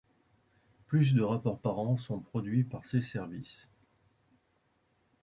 Plus de rapports par an sont produits par ses services.